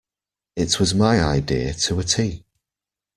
It was my idea to a tee.